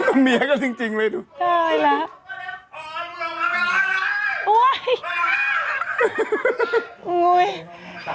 เต้ามีเนี้ยกันจริงเลยครับใช่แหละ